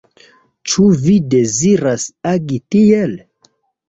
Ĉu vi deziras agi tiel?